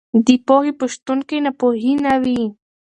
د پوهې په شتون کې ناپوهي نه وي.